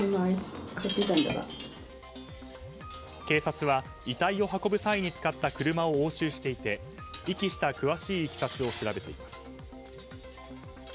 警察は遺体を運ぶ際に使った車を押収していて遺棄した詳しいいきさつを調べています。